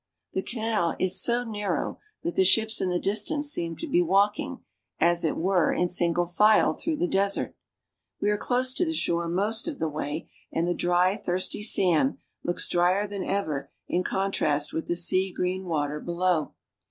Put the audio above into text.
The canal is so narrow that the ships in the distance seem to be walking, as it were, in single file through the desert. We are close to the shore most of the way, and the dry, thirsty sand looks drier than ever in contrast with the sea green water below.